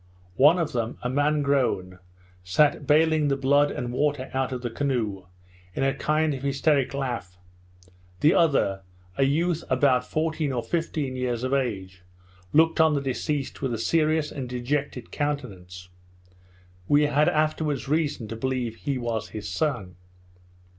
One of them, a man grown, sat bailing the blood and water out of the canoe, in a kind of hysteric laugh; the other, a youth about fourteen or fifteen years of age, looked on the deceased with a serious and dejected countenance; we had afterwards reason to believe he was his son.